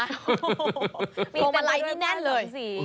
โอ้โหพวงมาลัยนี่แน่นเลย